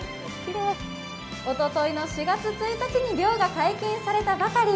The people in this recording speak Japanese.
おとといの４月１日に漁が解禁されたばかり。